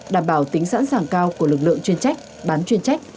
đảm bảo tính sẵn sàng cao của lực lượng chuyên trách bán chuyên trách